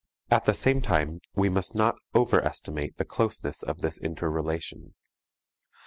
At the same time we must not overestimate the closeness of this interrelation.